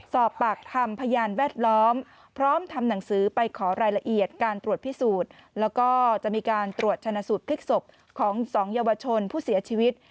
สอบปากคำพยานแวดล้อมพร้อมทำหนังสือไปขอรายละเอียดการตรวจพิสูจน์แล้วก็จะมีการตรวจชนะสูตรพลิกศพของสองเยาวชนผู้เสียชีวิต